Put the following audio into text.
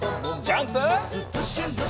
ジャンプ！